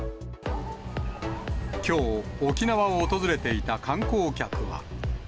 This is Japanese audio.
きょう、沖縄を訪れていた観光客は。